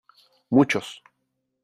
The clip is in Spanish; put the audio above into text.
¡ muchos !